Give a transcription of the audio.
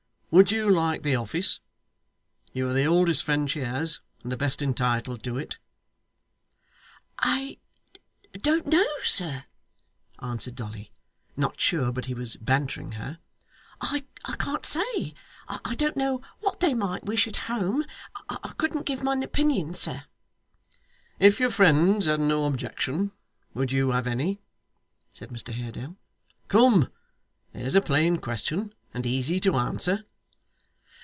Would you like the office? You are the oldest friend she has, and the best entitled to it.' 'I don't know, sir,' answered Dolly, not sure but he was bantering her; 'I can't say. I don't know what they might wish at home. I couldn't give an opinion, sir.' 'If your friends had no objection, would you have any?' said Mr Haredale. 'Come. There's a plain question; and easy to answer.